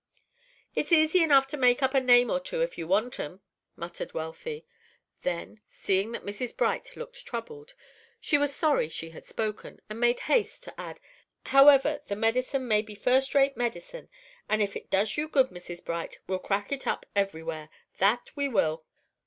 "It's easy enough to make up a name or two if you want 'em," muttered Wealthy. Then, seeing that Mrs. Bright looked troubled, she was sorry she had spoken, and made haste to add, "However, the medicine may be first rate medicine, and if it does you good, Mrs. Bright, we'll crack it up everywhere, that we will."